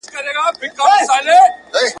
زېری به راوړي د پسرلیو ,